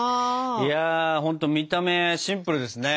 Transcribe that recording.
いやほんと見た目シンプルですね。